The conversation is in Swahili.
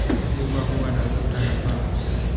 Nyumba huwa na ukuta na paa.